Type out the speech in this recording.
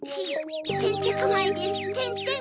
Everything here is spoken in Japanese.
てんてこまいですってんてん！